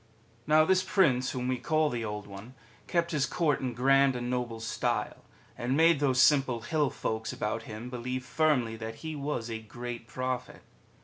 Now this Prince whom we call the Old One kept his Court in grand and noble style, and made those simple hill folks about him believe firmly that he was a great Prophet.